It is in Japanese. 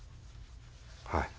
はい。